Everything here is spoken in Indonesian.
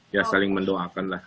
ya saling mendoakan lah